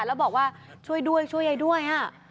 แล้วบอกว่าช่วยด้วยช่วยยายด้วย